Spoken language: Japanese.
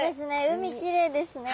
海きれいですね。